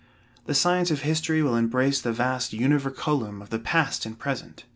The science of history will embrace the vast "univercoelum" of the past and present.